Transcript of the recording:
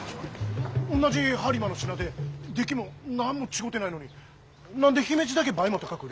おんなじ播磨の品で出来も何も違うてないのに何で姫路だけ倍も高く売れるんや。